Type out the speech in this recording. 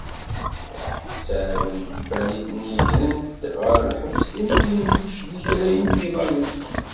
Aḥettab n tkebbanit-nni gren-t ɣer lḥebs imi yenbec deg kra imiḍanen.